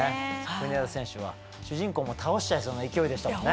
国枝選手は主人公も倒しちゃいそうな勢いでしたもんね。